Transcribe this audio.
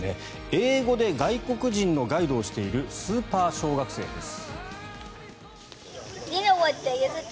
英語で外国人のガイドをしているスーパー小学生です。